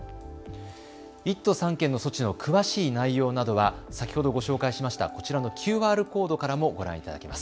１都３県の措置の詳しい内容などは先ほどご紹介しましたこちらのＱＲコードからもご覧いただけます。